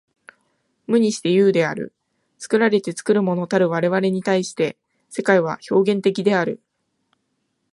無にして有である。作られて作るものたる我々に対して、世界は表現的である。